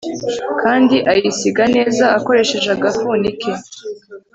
Kandi ayisiga neza akoresheje agafuni ke